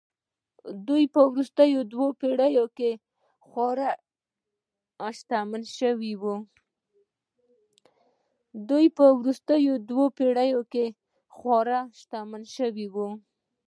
دوی په وروستیو دوو پېړیو کې خورا شتمن شوي وو